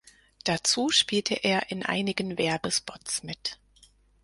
Dazu spielte er in einigen Werbespots mit.